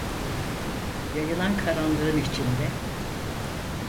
Yayılan karanlığın içinde